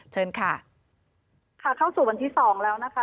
เชิญค่ะค่ะเข้าสู่วันที่สองแล้วนะคะ